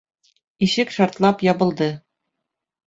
Ишек шартлап ябылды.